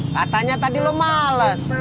katanya tadi lo males